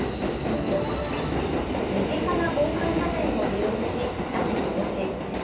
身近な防犯拠点を利用し詐欺防止。